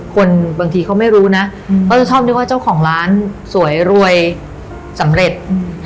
คนบางทีเขาไม่รู้นะเขาจะชอบนึกว่าเจ้าของร้านสวยรวยสำเร็จ